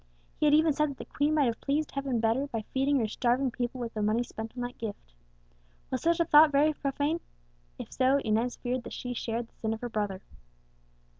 He had even said that the queen might have pleased Heaven better by feeding her starving people with the money spent on that gift. Was such a thought very profane? If so, Inez feared that she shared the sin of her brother.